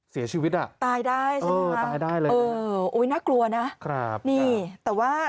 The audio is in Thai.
เสียชีวิตอ่ะตายได้ใช่ไหมครับโอ๊ยน่ากลัวนะนี่แต่ว่า